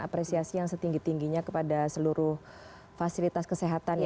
apresiasi yang setinggi tingginya kepada seluruh fasilitas kesehatan